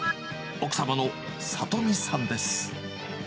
奥様の里美さんです。